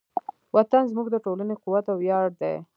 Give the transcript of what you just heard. وطن زموږ د ټولنې قوت او ویاړ دی.